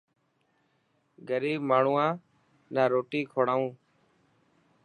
غريب ماڻهون نا روٽي کوڙائون.